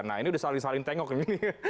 nah ini sudah saling saling tengok ini